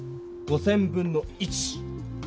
５，０００分の１。